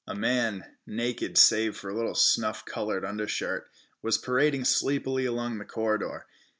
A man, naked save for a little snuff colored undershirt, was parading sleepily along the corridor.